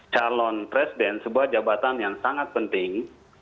calon presiden sebuah jabatan yang sangat penting